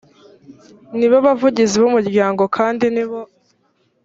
nibo bavugizi b umuryango kandi nibo